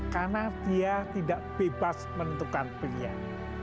karena dia tidak bebas menentukan pilihan